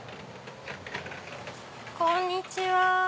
こんにちは。